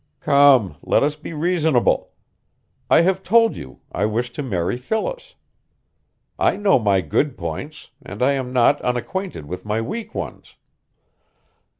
"Come, let us be reasonable. I have told you I wish to marry Phyllis. I know my good points, and I am not unacquainted with my weak ones.